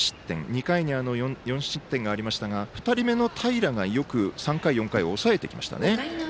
２回に４失点がありましたが２人目の平がよく３回、４回を抑えてきましたね。